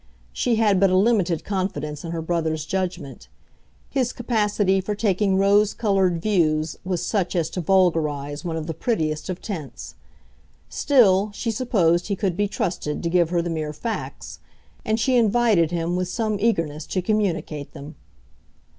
She had but a limited confidence in her brother's judgment; his capacity for taking rose colored views was such as to vulgarize one of the prettiest of tints. Still, she supposed he could be trusted to give her the mere facts; and she invited him with some eagerness to communicate them.